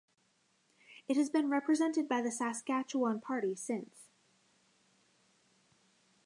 It has been represented by the Saskatchewan Party since.